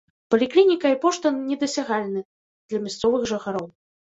Паліклініка і пошта недасягальны для мясцовых жыхароў.